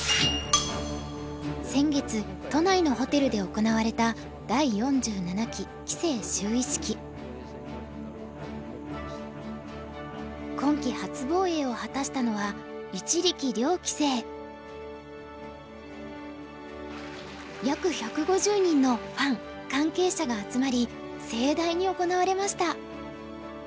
先月都内のホテルで行われた今期初防衛を果たしたのは約１５０人のファン関係者が集まり盛大に行われました。